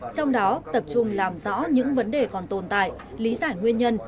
trong đó tập trung làm rõ những vấn đề còn tồn tại lý giải nguyên nhân